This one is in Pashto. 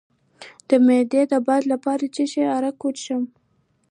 د معدې د باد لپاره د څه شي عرق وڅښم؟